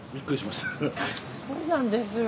そうなんですよ！